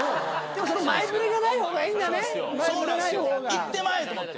いってまえ！と思って。